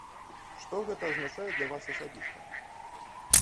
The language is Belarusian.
Што гэта азначае для вас асабіста?